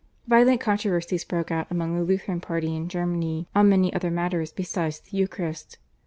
Violent controversies broke out among the Lutheran party in Germany on many other matters besides the Eucharist.